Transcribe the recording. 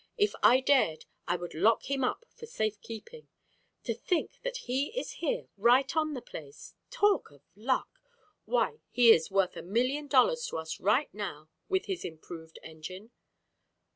If I dared, I would lock him up for safe keeping. To think that he is here right on the place! Talk of luck! Why, he is worth a million dollars to us right now, with his improved engine."